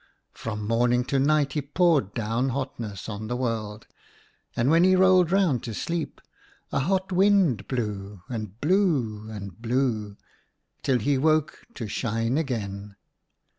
From morning to night he poured down hotness on the world, and when he rolled round to sleep, a hot wind blew — and blew — and blew — till he woke to shine again.